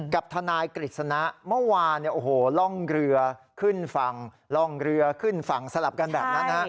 กับทนายกฤษณะเมื่อวานล่องเรือขึ้นฝั่งล่องเรือขึ้นฝั่งสลับกันแบบนั้น